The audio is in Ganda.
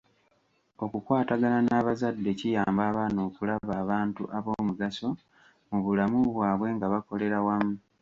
Okukwatagana n'abazadde kiyamba abaana okulaba abantu ab'omugaso mu bulamu bwabwe nga bakolera wamu.